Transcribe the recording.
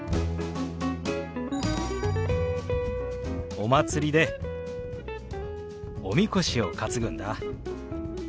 お祭りでおみこしを担ぐんだ。